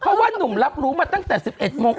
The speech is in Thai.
เพราะว่านุ่มรับรู้มาตั้งแต่๑๑โมง